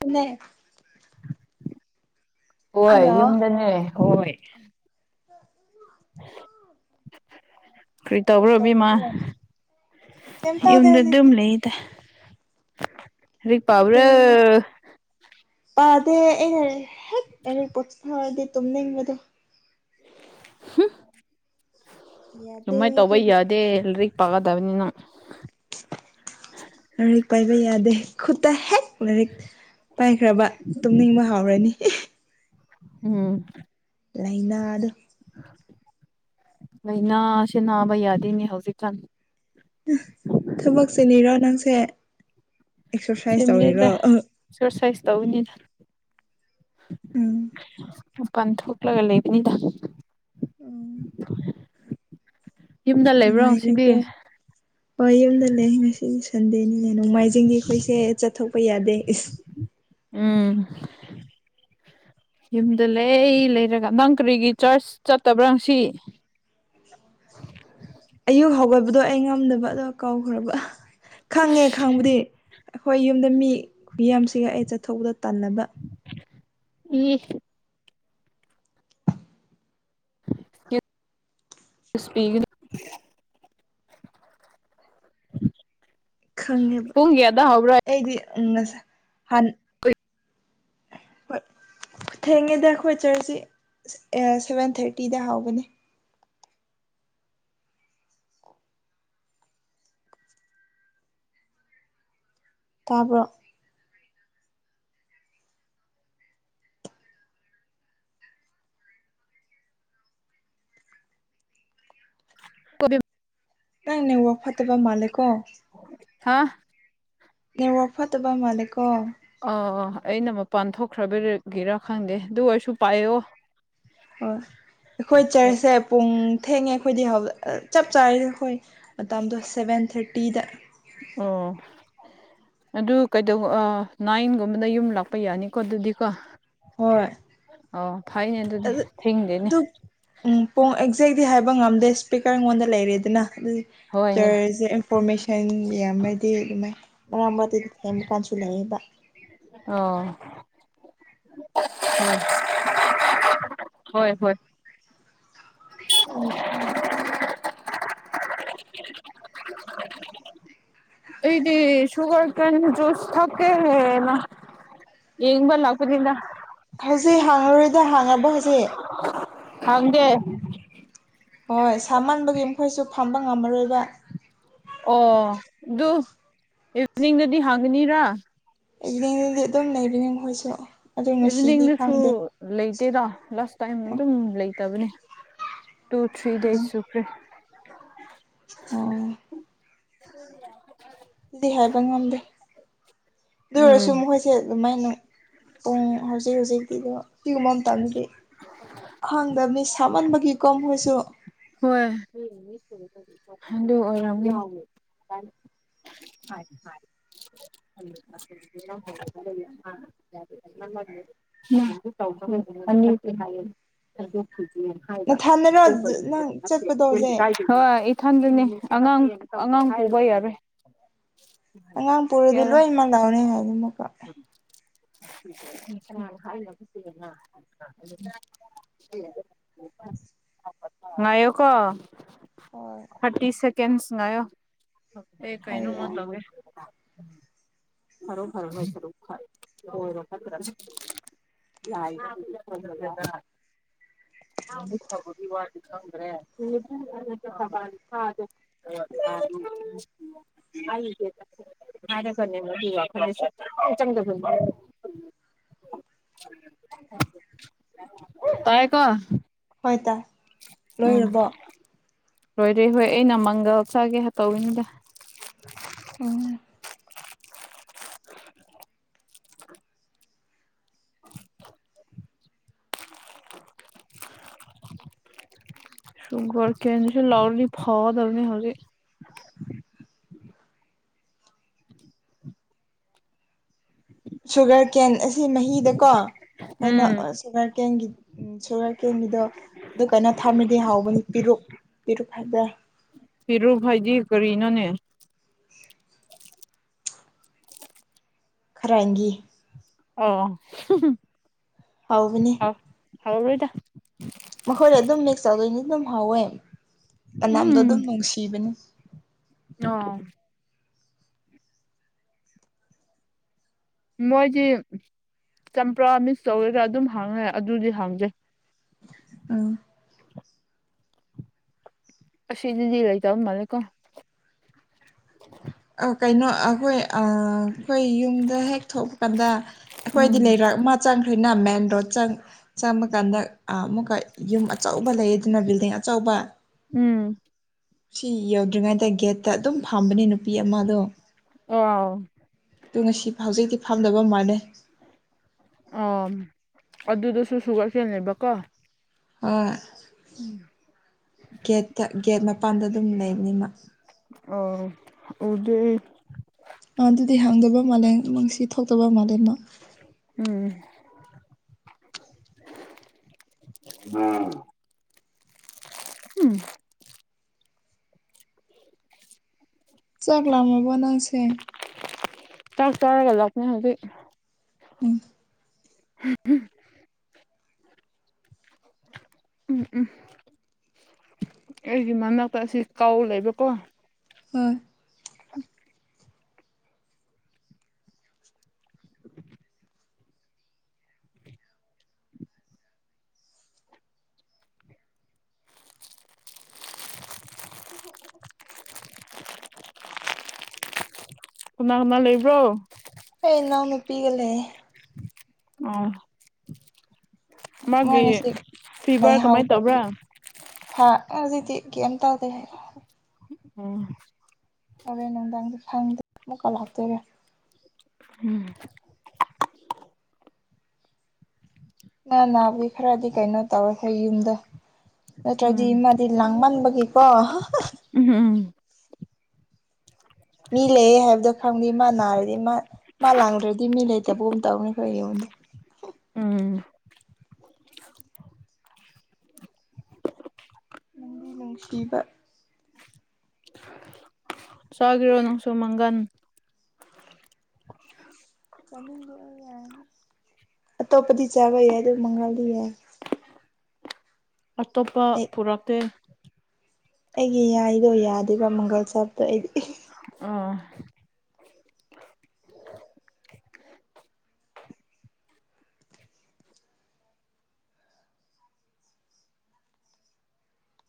ꯗꯨꯅꯦ ꯍꯣꯏ ꯍꯜꯂꯣ ꯌꯨꯝꯗꯅꯦ ꯍꯣꯏ ꯀꯔꯤ ꯇꯧꯕ꯭ꯔꯣ ꯏꯕꯦꯝꯃ ꯀꯩꯝ ꯇꯧꯗꯦ ꯌꯨꯝꯗ ꯑꯗꯨꯝ ꯍꯧꯖꯤꯛꯇꯤ ꯂꯩꯗ ꯀꯩꯝ ꯂꯥꯏꯔꯤꯛ ꯄꯕ꯭ꯔꯣ ꯇꯧꯗꯦ ꯄꯥꯗꯦ ꯑꯩꯅ ꯍꯦꯛ ꯂꯥꯏꯔꯤꯛ ꯄꯨꯊꯣꯛꯑꯗꯤ ꯇꯨꯝꯅꯤꯡꯕꯗꯣ ꯍꯨꯝ ꯌꯥꯗꯦ ꯗꯨꯃꯥꯏꯅ ꯇꯧꯕ ꯑꯗꯨꯒꯤ ꯌꯥꯗꯦ ꯂꯩꯔꯤꯛ ꯄꯥꯒꯗꯕꯅꯤꯅ ꯂꯥꯏꯔꯤꯛ ꯄꯥꯏꯕ ꯌꯥꯗꯦ ꯈꯨꯇ ꯍꯦꯛ ꯂꯥꯏꯔꯤꯛ ꯄꯥꯏꯈ꯭ꯔꯕ ꯇꯨꯝꯅꯤꯡꯕ ꯍꯧꯔꯅꯤ ꯎꯝ ꯂꯩꯩꯅꯗꯣ ꯂꯥꯏꯅꯥꯁꯦ ꯅꯥꯕ ꯌꯥꯗꯦꯅꯦ ꯍꯧꯖꯤꯛꯀꯥꯟ ꯊꯕꯛ ꯆꯤꯜꯂꯤꯔꯣ ꯅꯪꯁꯦ ꯑꯦꯛꯁꯔꯁꯥꯏꯁ ꯁꯦꯝꯗꯦꯗ ꯇꯧꯔꯤꯔꯣ ꯑꯦꯛꯁꯔꯁꯥꯏꯁ ꯇꯧꯕꯅꯤꯗ ꯎꯝ ꯃꯄꯥꯟ ꯊꯣꯛꯂꯒ ꯂꯩꯕꯅꯤꯗ ꯎꯝ ꯌꯨꯝꯗ ꯂꯩꯕ꯭ꯔꯣ ꯉꯁꯤꯗꯤ ꯅꯨꯡꯉꯥꯏꯔꯦꯀꯣ ꯍꯣꯏ ꯌꯨꯝꯗ ꯂꯩ ꯉꯁꯤꯗꯤ ꯁꯟꯗꯦꯅꯤ ꯅꯣꯡꯃꯥꯏꯖꯤꯡꯗꯤ ꯑꯈꯣꯏꯁꯦ ꯆꯠꯊꯣꯛꯄ ꯌꯥꯗꯦ ꯏꯁ ꯎꯝ ꯌꯨꯝꯗ ꯂꯩ ꯂꯩꯔꯒ ꯅꯪ ꯀꯔꯤꯒꯤ ꯆꯥꯔꯆ ꯆꯠꯇꯕ꯭ꯔꯥ ꯉꯁꯤ [inaudible] ꯑꯗꯣ ꯑꯩ ꯉꯝꯗꯕ ꯑꯗꯣ ꯀꯧꯎꯈ꯭ꯔꯕ ꯈꯪꯉꯦ ꯈꯪꯕꯗꯤ ꯑꯈꯣꯏ ꯌꯨꯝꯗ ꯃꯤ ꯈꯨꯌꯥꯝꯁꯤꯒ ꯑꯩ ꯆꯠꯊꯣꯛꯄꯗꯣ ꯇꯥꯜꯂꯕ ꯏ [unintelligible] [inaudible] ꯈꯪꯉꯦꯕ ꯄꯨꯡ ꯀꯌꯥꯗ ꯑꯩꯗꯤ ꯉꯁꯥꯏ ꯍꯥꯟ ꯀꯩ ꯍꯣꯏ ꯊꯦꯡꯉꯦꯗ ꯑꯈꯣꯏ ꯆꯔꯁꯇꯤ ꯁꯚꯦꯟ ꯊꯥꯔꯇꯤꯗ ꯍꯧꯕꯅꯦ ꯇꯥꯕ꯭ꯔꯣ [unintelligible] ꯅꯪ ꯅꯦꯠꯋꯥꯛ ꯐꯠꯇꯕ ꯃꯥꯂꯦꯀꯣ ꯍꯥ ꯅꯦꯠꯋꯥꯔꯛ ꯐꯠꯇꯕ ꯃꯥꯜꯂꯦ ꯀꯣ ꯑꯥ ꯑꯥ ꯑꯩꯅ ꯃꯄꯥꯟ ꯊꯣꯛꯈ꯭ꯔꯕꯒꯤꯔꯥ ꯈꯪꯗꯦ ꯑꯗꯨ ꯑꯣꯏꯁꯨ ꯍꯣꯏ ꯑꯈꯣꯏ ꯆ꯭ꯔꯁꯁꯦ ꯄꯨꯡ ꯊꯦꯡꯉꯦ ꯑꯈꯣꯏꯗꯤ ꯆꯞ ꯆꯥꯏꯗ ꯑꯈꯣꯏ ꯃꯇꯝꯗꯣ ꯁꯚꯦꯟ ꯊꯥꯔꯇꯤꯗ ꯑꯣ ꯑꯗꯨ ꯀꯩꯗꯧꯕ ꯑꯥ ꯅꯥꯏꯟꯒꯨꯝꯕꯗ ꯌꯨꯝ ꯂꯥꯛꯄ ꯌꯥꯅꯤꯀꯣ ꯑꯗꯨꯗꯤꯀꯣ ꯍꯣꯏ ꯑꯣ ꯐꯩꯅꯦ ꯑꯗꯨꯗꯤ ꯑꯗꯨ ꯊꯦꯡꯗꯦꯅꯦ ꯑꯗꯨ ꯎ [unintelligible] [unintelligible] ꯍꯥꯏꯕ ꯉꯝꯗꯦ ꯏꯁ꯭ꯄꯤꯀꯔ ꯑꯩꯉꯣꯟꯗ ꯂꯩꯔꯦꯗꯅ ꯑꯗꯨꯏ ꯍꯣꯏꯅꯦ ꯏꯟꯐꯣꯔꯃꯦꯁꯟ ꯌꯥꯝꯃꯗꯤ ꯑꯗꯨꯃꯥꯏꯅ ꯃꯔꯥꯛ ꯃꯔꯛꯇ ꯁꯦꯝꯕ ꯀꯥꯟꯁꯨ ꯂꯩꯕ ꯑꯣ ꯎ ꯍꯣꯏ ꯍꯣꯏ [unintelligible] [inaudible] ꯑꯩꯗꯤ ꯁꯨꯒꯔ ꯀꯦꯟ ꯖꯨꯁ ꯊꯛꯀꯦꯅ ꯌꯦꯡꯕ ꯂꯛꯄꯅꯤꯗ ꯍꯧꯖꯤꯛ ꯍꯥꯡꯉꯔꯣꯏꯗ ꯍꯥꯡꯉꯕ ꯍꯧꯖꯤꯛ ꯍꯥꯡꯗꯦ ꯍꯣꯏ ꯁꯥꯃꯟꯕꯒꯤ ꯃꯈꯣꯏꯁꯨ ꯐꯝꯕ ꯉꯝꯃꯔꯣꯏꯕ ꯑꯣ ꯑꯗꯨ ꯏꯚꯅꯤꯡꯗꯗꯤ ꯍꯥꯡꯒꯅꯤꯔꯥ ꯏꯕꯤꯅꯤꯡꯗꯗꯤ ꯑꯗꯨꯝ ꯂꯩꯕꯅꯤ ꯃꯈꯣꯏꯁꯨ ꯑꯗꯨ ꯉꯁꯤꯗꯤ ꯏꯚꯤꯅꯤꯡꯗꯁꯨ ꯈꯪꯗꯦ ꯂꯩꯇꯦꯗ ꯂꯥꯁ ꯇꯥꯏꯝ ꯑꯣ ꯑꯗꯨꯝ ꯂꯩꯇꯕꯅꯤ ꯇꯨ ꯊ꯭ꯔꯤ ꯗꯦꯁ ꯁꯨꯈ꯭ꯔꯦ ꯑꯣ [unintelligible] ꯑꯗꯨꯗꯤ ꯍꯥꯏꯕ ꯉꯝꯗꯦ ꯑꯗꯨ ꯑꯣꯏꯔꯁꯨ ꯎꯝ ꯃꯈꯣꯏꯁꯦ ꯑꯗꯨꯃꯥꯏꯅ ꯄꯨꯡ ꯍꯧꯖꯤꯛ ꯍꯧꯖꯤꯛꯇꯤꯀꯣ ꯖꯤꯒꯨꯝꯕ ꯃꯇꯝꯗꯗꯤ ꯈꯪꯡꯗꯕꯅꯦ ꯁꯥꯃꯟꯕꯒꯤ ꯃꯈꯣꯏꯁꯨ [unintelligible] [unintelligible] [unintelligible] ꯅꯊꯟꯗꯔꯣ ꯅꯪ ꯆꯠꯄꯗꯣ ꯍꯧꯖꯤꯛ ꯍꯣꯏ ꯃꯊꯟꯗꯅꯤ ꯑꯉꯥꯡ ꯑꯉꯥꯡ ꯄꯨꯕ ꯌꯥꯔꯣꯏ ꯑꯉꯥꯡ ꯄꯨꯔꯗꯤ ꯌꯥꯔꯦ ꯂꯣꯃꯛ ꯅꯥꯒꯅꯤ ꯍꯥꯏ [inaudible] [unintelligible] ꯉꯥꯢꯌꯣ ꯀꯣ ꯍꯣꯏ ꯊꯔꯇꯤ ꯁꯦꯀꯁ ꯉꯣꯌꯣ ꯑꯩ ꯍꯣꯏ ꯀꯥꯏꯅꯣ ꯃ ꯌꯥꯏ ꯇꯧꯒꯦ [unintelligible] ꯌꯥꯢ [unintelligible] [unintelligible] [unintelligible] ꯑꯩ ꯍꯔꯒꯅꯦ [unintelligible] ꯆꯪꯗ [unintelligible] ꯇꯥꯏꯌꯦ ꯀꯣ ꯇꯥꯢ ꯂꯣꯏꯔꯕꯣ ꯂꯣꯏꯔꯦ ꯍꯣꯏ ꯑꯩꯅ ꯃꯪꯒꯜ ꯆꯥꯒꯦ ꯇꯧꯏꯕꯅꯤꯗ ꯎꯨꯝ [inaudible] [inaudible] ꯁꯨꯒꯔ ꯀꯦꯟꯁꯨ ꯂꯥꯎꯗꯣ ꯐꯒꯗꯕꯅꯤ ꯍꯧꯖꯤꯛ [inaudible] ꯁꯨꯒꯔ ꯀꯦꯟ ꯑꯁꯤ ꯃꯍꯤꯗꯀꯣ ꯀꯩꯅꯣ ꯎꯝ ꯁꯨꯒꯔ ꯀꯦꯟꯒꯤ ꯁꯨꯒꯔ ꯀꯦꯟꯒꯤꯗꯣ ꯑꯗꯨ ꯀꯥꯏꯩꯅꯣ ꯊꯥꯔꯃꯦꯗꯤ ꯍꯥꯎꯕꯅꯤ ꯄꯤꯔꯨꯛ ꯄꯤꯔꯨꯛ ꯍꯥꯢꯕꯔ ꯄꯤꯔꯨꯛ ꯍꯥꯏꯗꯤ ꯀꯔꯤ ꯅꯣꯅꯦ ꯈꯔꯥꯏꯒꯤ ꯑꯎ ꯍꯥꯎꯕꯅꯦ ꯍꯥꯎꯔꯣꯏꯗ ꯃꯈꯣꯏꯗ ꯑꯗꯨꯝ ꯃꯤꯛꯁ ꯇꯧꯗꯣꯏꯅꯤ ꯑꯗꯨꯝ ꯍꯥꯎꯋꯦ ꯃꯅꯝꯗꯣ ꯑꯗꯨꯝ ꯎꯝ ꯅꯨꯡꯁꯤꯕꯅꯤ ꯑꯣ ꯃꯣꯏꯗꯤ ꯆꯝꯄ꯭ꯔꯥ ꯃꯤꯁ ꯇꯧꯒꯦꯔ ꯑꯗꯨꯝ ꯍꯥꯡꯉꯦ ꯑꯗꯨꯗꯤ ꯍꯥꯡꯗꯦ ꯎꯝ ꯑꯁꯤꯗꯗꯤ ꯂꯩ ꯇꯕ ꯃꯂꯦ ꯀꯣ ꯑ ꯀꯩꯅꯣ ꯑꯩꯈꯣꯏ ꯑ ꯑꯩꯈꯣꯏ ꯌꯨꯝꯗ ꯍꯦꯛ ꯊꯣꯛꯄ ꯀꯥꯟꯗ ꯑꯩꯈꯣꯏꯗꯤ ꯎꯝ ꯂꯩꯔꯛ ꯑꯃ ꯆꯥꯡ ꯅ ꯃꯦꯟ ꯔꯣꯗ ꯆꯪ ꯆꯪꯕ ꯀꯥꯟꯗ ꯑꯃꯨꯛꯀ ꯌꯨꯝ ꯑꯆꯧꯕ ꯂꯩ ꯑꯗꯨꯅ ꯕꯤꯜꯗꯤꯡ ꯆꯥꯎꯕ ꯎꯝ ꯁꯤ ꯌꯧꯗ꯭ꯔꯤꯉꯩꯗ ꯒꯦꯠꯇ ꯑꯗꯨꯝ ꯐꯥꯝꯕꯅꯦ ꯅꯨꯄꯤ ꯑꯃꯗꯣ ꯑꯥꯎ ꯑꯗꯨ ꯉꯁꯤ ꯍꯧꯖꯤꯛꯇꯛꯇꯤ ꯐꯥꯝꯗꯕ ꯃꯥꯜꯂꯦ ꯑ ꯑꯗꯨꯗꯨꯁꯨ ꯁꯨꯒꯔ ꯀꯦꯟꯅꯦꯕꯀꯣ ꯍꯣꯏ ꯒꯦꯠꯇ ꯒꯦꯠ ꯃꯄꯥꯟꯗ ꯑꯗꯨꯝ ꯂꯩꯕꯅꯤ ꯃ ꯑꯣ ꯎꯗꯦ ꯑ ꯑꯗꯨꯗꯤ ꯍꯥꯡꯗꯕ ꯃꯥꯜꯂꯦ ꯅꯨꯡꯁꯤ ꯊꯣꯛꯇꯕ ꯃꯥꯜꯂꯦ ꯃꯥ ꯎꯝ ꯎꯝ ꯆꯛ ꯂꯃꯕꯣ ꯅꯪꯁꯦ ꯆꯛ ꯆꯔꯒ ꯂꯛꯄꯅꯦ ꯍꯧꯖꯤ ꯎꯝ [inaudible] ꯎꯝ ꯎꯝ ꯑꯩꯒꯤ ꯃꯅꯥꯛꯇ ꯑꯁꯤ ꯀꯥꯎ ꯂꯩꯕꯀꯣ ꯍꯣꯏ [inaudible] ꯀꯅꯥ ꯀꯅꯥ ꯂꯩꯕ꯭ꯔꯣ ꯄꯤꯒ ꯂꯦ ꯑꯣ ꯃꯥ ꯃꯥꯒꯤ ꯉꯁꯤ ꯐꯤꯚꯔ ꯀꯃꯥꯏꯅ ꯇꯧꯕ꯭ꯔꯥ ꯑꯖꯤꯛꯗꯤ ꯀꯦꯝ ꯇꯧꯗꯦ ꯎꯝ ꯍꯣꯔꯦꯟ ꯅꯨꯡꯗꯥꯡꯗꯤ ꯈꯪꯗꯦ ꯑꯃꯨꯛꯀ ꯂꯥꯛꯇꯣꯏꯔ ꯎꯝ ꯃ ꯅꯥꯕꯤꯗꯤ ꯈꯔꯗꯤ ꯀꯩꯅꯣ ꯇꯧꯔꯋꯦ ꯑꯩꯈꯣꯏ ꯌꯨꯝꯗꯣ ꯅꯠꯇ꯭ꯔꯗꯤ ꯎꯝ ꯃꯥꯗꯤ ꯂꯥꯡ ꯃꯟꯕꯒꯤꯀꯣ ꯎꯝ ꯎꯝ ꯃꯤ ꯂꯩꯌꯦ ꯍꯥꯏꯕꯗꯣ ꯈꯪꯗꯦ ꯃꯥ ꯅꯥꯔꯗꯤ ꯃꯥ ꯃꯥ ꯂꯥꯡꯗ꯭ꯔꯗꯤ ꯃꯤ ꯂꯩꯇꯕꯒꯨꯝ ꯇꯧꯋꯦ ꯑꯩꯈꯣꯏ ꯌꯨꯝꯗꯤ [inaudible] ꯎꯝ ꯅꯨꯡꯗꯤ ꯅꯨꯡꯁꯤꯕ ꯆꯒꯦꯔꯣ ꯅꯪꯁꯨꯨꯃꯪꯒꯟ ꯥꯆꯅꯤꯡꯗꯦ ꯌꯥꯔꯅꯤ ꯑꯇꯣꯞꯄꯗꯤ ꯆꯥꯕ ꯌꯥꯏ ꯑꯗꯨ ꯃꯪꯉꯜꯗꯤ ꯌꯥꯏ ꯑꯇꯣꯞꯄ ꯑꯩ ꯄꯨꯔꯛꯇꯦ ꯑꯩꯒꯤ ꯌꯥꯏꯗꯣ ꯌꯥꯗꯦꯕ ꯃꯪꯒꯜ ꯆꯕꯇꯣ ꯑꯩꯗꯤ ꯑꯥ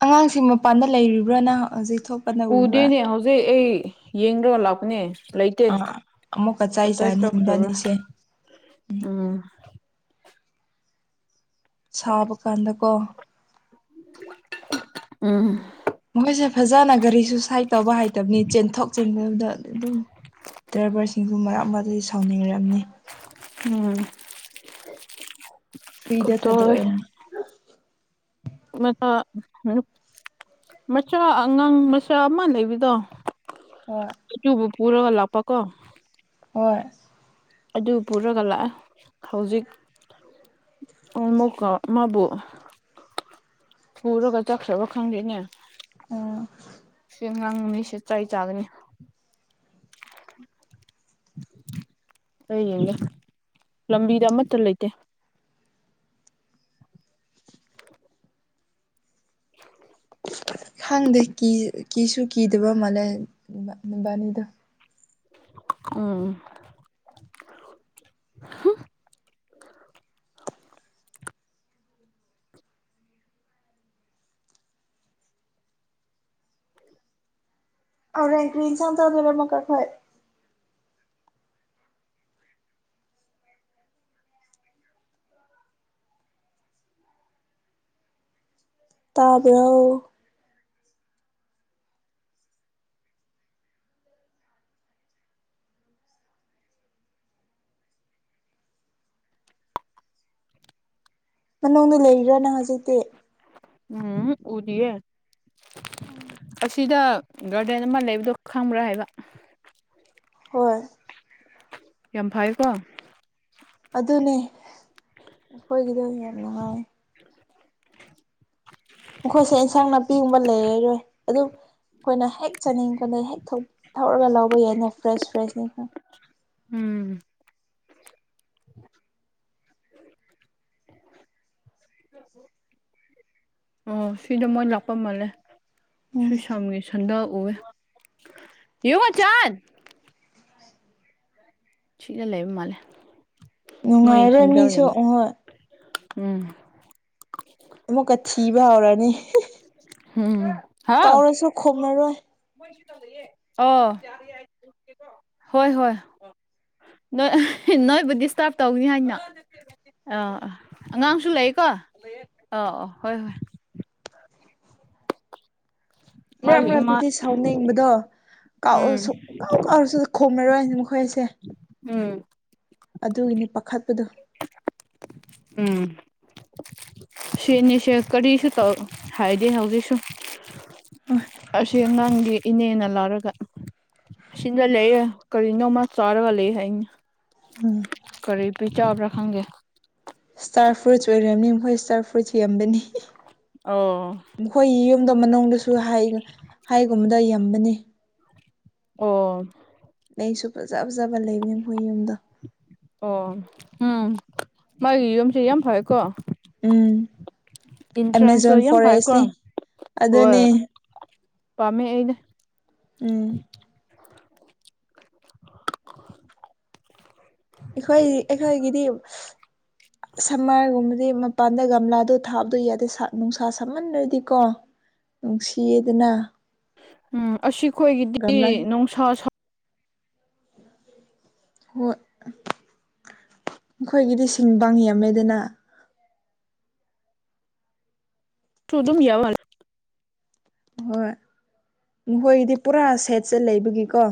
ꯑꯉꯥꯡꯁꯤꯡ ꯃꯄꯥꯟꯗ ꯂꯩꯔꯤꯕ꯭ꯔ ꯅꯪ ꯍꯧꯖꯤꯛ ꯊꯣꯛꯄꯅ ꯎꯕ꯭ꯔꯥ ꯎꯗꯦꯅꯦ ꯍꯧꯖꯤꯛ ꯑꯩ ꯌꯦꯡ ꯔꯒ ꯂꯥꯛꯄꯅꯦ ꯂꯩꯇꯦ ꯑꯥ ꯑꯃꯨꯛꯀ ꯆꯩ ꯀꯗꯥꯏ ꯆꯥꯅꯤ ꯆꯠꯈ꯭ꯔꯕ꯭ꯔꯥ ꯏꯕꯥꯅꯤꯁꯦ ꯎꯝ ꯁꯥꯕ ꯀꯥꯟꯗꯀꯣ ꯎꯝ ꯃꯣꯏꯁꯦ ꯐꯖꯅ ꯒꯥꯔꯤꯁꯨ ꯁꯥꯏꯠ ꯇꯧꯕ ꯍꯥꯏꯩꯇꯕꯅꯤ ꯆꯦꯟꯊꯣꯛ ꯆꯦꯟꯖꯟ ꯗ ꯑꯗꯨꯝ ꯗ꯭ꯔꯥꯏꯚꯔꯁꯤꯡꯁꯨ ꯃꯔꯛ ꯑꯃꯗꯤ ꯁꯥꯎꯅꯤꯡꯔꯦ ꯎꯝ ꯐ꯭ꯔꯤꯗ ꯗꯣꯏ ꯊꯥꯗꯣꯛꯑꯦꯅ ꯃꯠꯇꯥ ꯃꯆꯥ ꯑꯉꯥꯡ ꯃꯆꯥ ꯑꯃ ꯂꯩꯕꯗꯣ ꯍꯣꯏ ꯑꯗꯨꯕꯨ ꯄꯨꯔꯒ ꯂꯥꯛꯄ ꯀꯣ ꯍꯣꯏ ꯑꯗꯨ ꯄꯨꯔꯒ ꯂꯥꯛꯑꯦ ꯍꯧꯖꯤꯛ ꯑꯣ ꯃꯨꯛꯀ ꯃꯥꯕꯨ ꯄꯨꯔꯒ ꯆꯠꯈ꯭ꯔꯕ ꯈꯪꯗꯦꯅꯦ ꯑꯝ ꯑꯉꯥꯡ ꯑꯅꯤꯁꯤ ꯆꯩ ꯆꯥꯒꯅꯤ [inaudible] ꯑꯩ ꯌꯦꯡꯉꯦ ꯂꯝꯕꯤꯗ ꯑꯃꯠꯇ ꯂꯩꯇꯦ [inaudible] ꯈꯪꯗꯦ ꯀꯤ ꯀꯤꯁꯨ ꯀꯤꯗꯕ ꯃꯥꯜꯂꯦ ꯃꯕꯅꯤꯗꯨ ꯎꯝ [inaudible] ꯍꯣꯔꯦꯟ ꯀ꯭ꯔꯤ ꯏꯟꯁꯥꯡ ꯆꯥꯗꯨꯏꯔ ꯑꯃꯨꯛꯀ ꯈꯣꯏ ꯇꯥꯕ꯭ꯔꯣ ꯃꯅꯨꯡꯗ ꯂꯩꯔꯤꯔ ꯅꯪ ꯍꯧꯖꯤꯛꯇꯤ ꯎꯝ ꯎꯗꯤꯌꯦ ꯑꯁꯤꯗ ꯒꯥꯔꯗꯦꯟ ꯑꯃ ꯂꯩꯕꯗꯣ ꯈꯪꯕ꯭ꯔꯥ ꯍꯥꯏꯕ ꯍꯣꯏ ꯌꯥꯝ ꯐꯔꯦꯀꯣ ꯑꯗꯨꯅꯦ ꯑꯈꯣꯏꯒꯤꯗꯣ ꯌꯥꯝ ꯅꯨꯡꯉꯥꯏꯌꯦ ꯃꯈꯣꯏꯁꯦ ꯏꯟꯁꯥꯡ ꯅꯥꯄꯤꯒꯨꯝꯕ ꯂꯩꯔꯔꯣꯏ ꯑꯗꯨ ꯈꯣꯏꯅ ꯍꯦꯛ ꯆꯥꯅꯤꯡꯉꯀꯥꯟꯗ ꯍꯦꯛ ꯊꯣꯛ ꯊꯧꯔꯒ ꯂꯧꯕ ꯌꯥꯏꯅ ꯐ꯭ꯔꯦꯁ ꯐ꯭ꯔꯦꯁꯅꯤ ꯍꯣꯏ ꯎꯝ [inaudible] [inaudible] ꯑꯥ ꯁꯤꯗ ꯃꯣꯏ ꯂꯥꯛꯄ ꯃꯥꯜꯂꯦ ꯎꯝ ꯁꯨꯏꯁꯝꯒꯤ ꯁꯟꯗꯜ ꯎꯏꯌꯦ [unintelligible] ꯁꯤꯗ ꯂꯩꯕ ꯃꯥꯜꯂꯦ ꯃꯣꯏ ꯅꯨꯡꯉꯥꯏꯔꯣꯏ ꯁꯟꯗꯜ ꯃꯤꯁꯨ ꯌꯥꯝ ꯎꯡꯉꯣꯏ ꯎꯝ ꯑꯃꯨꯛꯀ ꯊꯤꯕ ꯍꯧꯔꯅꯤ ꯍꯤꯍꯤ ꯎꯝ ꯍꯥꯎ ꯀꯧꯔꯁꯨ ꯈꯨꯝꯃꯔꯣꯏ ꯑꯣ ꯍꯣꯏ ꯍꯣꯏ ꯅꯣꯏ ꯅꯣꯏꯕꯨ ꯗꯤꯁꯇꯥꯔꯕ ꯇꯧꯅꯤ ꯍꯥꯏꯅ ꯑꯥ ꯑꯥ ꯑꯉꯥꯡꯁꯨ ꯂꯩꯌꯦꯀꯣ ꯑꯣ ꯑꯣ ꯍꯣꯏ ꯍꯣꯏ ꯃꯔꯛ ꯃꯥꯒꯤ ꯏꯃꯥ ꯃꯔꯛꯇꯗꯤ ꯁꯥꯎꯅꯤꯡꯕꯗꯣ ꯀꯥꯎ ꯎ ꯎꯝ ꯁꯨꯛ ꯀꯥꯎ ꯀꯥꯎꯔꯁꯨ ꯈꯨꯝꯔꯔꯣꯏ ꯑꯈꯣꯏꯁꯦ ꯎꯝ ꯑꯗꯨꯒꯤꯅꯦ ꯄꯥꯈꯠꯄꯗꯨ ꯎꯝ ꯁꯤꯅꯤꯁꯦ ꯀꯔꯤꯁꯨ ꯇꯧ ꯍꯥꯏꯗꯦ ꯍꯧꯖꯤꯛꯁꯨ ꯑꯁꯤ ꯅꯪꯒꯤ ꯏꯅꯦꯅ ꯂꯥꯎꯔꯒ ꯑꯁꯤꯗ ꯂꯩꯌꯦ ꯀꯔꯤꯅꯣ ꯃꯥ ꯆꯥꯔꯒ ꯂꯩ ꯍꯥꯏ ꯎꯝ ꯀꯔꯤ ꯄꯤꯖꯕ꯭ꯔ ꯈꯪꯗꯦ ꯏꯁꯇꯥꯔ ꯐ꯭ꯔꯨꯏꯠꯁ ꯑꯣꯏꯔꯝꯅꯤ ꯃꯈꯣꯏ ꯏꯁꯇꯥꯔ ꯐ꯭ꯔꯨꯏꯠꯁ ꯌꯦꯕꯅꯤ ꯑꯣ ꯃꯈꯣꯏ ꯌꯨꯝꯗ ꯃꯅꯨꯡꯗꯁꯨ ꯍꯥꯏꯒꯨꯝꯕꯗ ꯌꯝꯕꯅꯤ ꯑꯣ ꯂꯩꯁꯨ ꯐꯖ ꯐꯖꯕ ꯂꯩꯕꯅꯦ ꯃꯈꯣꯏ ꯌꯨꯝꯗ ꯑꯣ ꯎꯝ ꯃꯥꯒꯤ ꯌꯨꯝꯁꯤ ꯌꯥꯝ ꯐꯩꯌꯦꯀꯣ ꯎꯝ ꯏꯟꯁꯥꯡꯁꯨ ꯑꯦꯃꯦꯖꯣꯟ ꯌꯥꯝ ꯐꯩꯀꯣ ꯐꯣꯔꯦꯁꯅꯤ ꯍꯣꯏ ꯑꯗꯨꯅꯦ ꯄꯥꯝꯃꯦ ꯑꯩꯗꯤ ꯎꯝ ꯑꯩꯈꯣꯏ ꯑꯩꯈꯣꯏꯒꯤꯗꯤ ꯁꯝꯃꯔꯒꯨꯝꯕꯗꯤ ꯃꯄꯥꯟꯗ ꯒꯝꯂꯥꯗꯣ ꯊꯥꯕꯗꯣ ꯌꯥꯗꯦ ꯅꯨꯡꯁꯥ ꯁꯝꯃꯟꯗꯔꯗꯤꯀꯣ ꯅꯨꯡꯁꯤꯌꯦꯗꯅ ꯎꯝ ꯑꯁꯤꯈꯣꯏꯒꯤꯗꯤ ꯅꯨꯡꯁꯥ ꯍꯣ ꯃꯈꯣꯏꯒꯤꯗꯤ ꯁꯤꯡꯕꯥꯡ ꯌꯝꯃꯦꯗꯅ [unintelligible] ꯍꯣꯏ ꯃꯈꯣꯏꯒꯤꯗꯤ ꯄꯨꯔꯥ ꯁꯦꯠꯁꯦ ꯂꯩꯕꯒꯤꯀꯣ